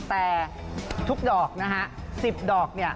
แต่ทุกดอกนะฮะ๑๐ดอก